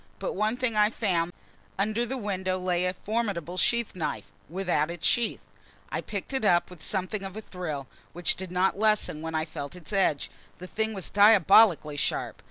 But one thing I found that had not been there before: under the window lay a formidable sheath knife without its sheath. I picked it up with something of a thrill, which did not lessen when I felt its edge. The thing was diabolically sharp.